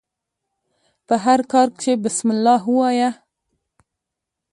په هر کار کښي بسم الله وايه!